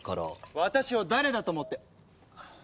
私を誰だと思って。